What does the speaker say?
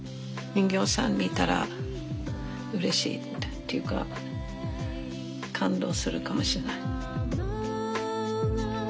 人形さん見たらうれしいっていうか感動するかもしれない。